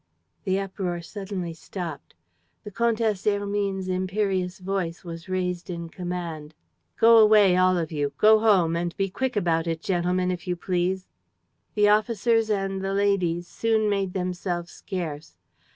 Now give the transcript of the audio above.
..." The uproar suddenly stopped. The Comtesse Hermine's imperious voice was raised in command: "Go away, all of you! Go home! And be quick about it, gentlemen, if you please." The officers and the ladies soon made themselves scarce.